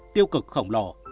tiêu cực khổng lồ